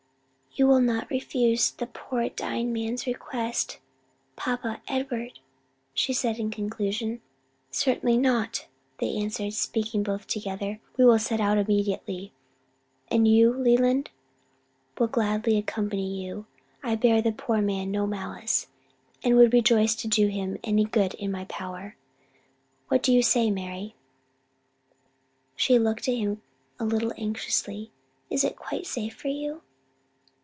"You will not refuse the poor dying man's request, papa? Edward?" she said in conclusion. "Certainly not!" they answered, speaking both together, "we will set out immediately. And you, Leland?" "Will gladly accompany you. I bear the poor man no malice, and would rejoice to do him any good in my power. What do you say, Mary?" She looked at him a little anxiously, "Is it quite safe for you?"